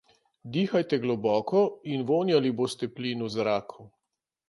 Dihajte globoko in vonjali boste plin v zraku.